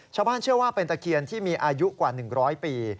ชาวบ้านเชื่อว่าเป็นตะเคียนที่มีอายุกว่า๑๐๐ปี